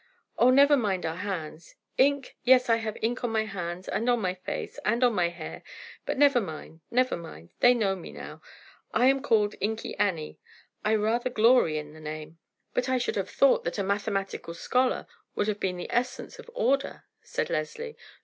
Oh, never mind our hands. Ink? Yes, I have ink on my hands and on my face and on my hair; but never mind, never mind; they know me now. I am called 'Inky Annie.' I rather glory in the name." "But I should have thought that a mathematical scholar would have been the essence of order," said Leslie.